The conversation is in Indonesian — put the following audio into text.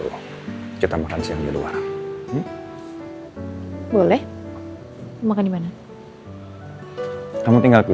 oke kalau begitu di kafe sekitaran sini